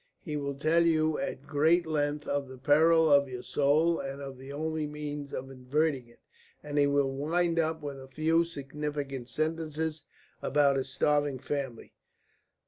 He will tell you at great length of the peril of your soul and of the only means of averting it, and he will wind up with a few significant sentences about his starving family.